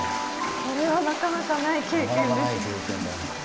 これはなかなかない経験ですね。